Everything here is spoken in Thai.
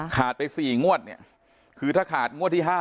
ขาดไปสี่งวดเนี้ยคือถ้าขาดงวดที่ห้า